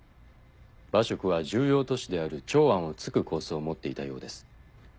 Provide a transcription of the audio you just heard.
馬謖は重要都市である長安を突く構想を持っていたようです。